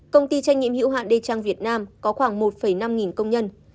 công ty trách nhiệm hữu hạn đê trang việt nam có khoảng một năm nghìn công nhân